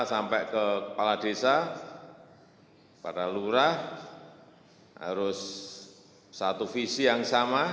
sampai ke kepala desa para lurah harus satu visi yang sama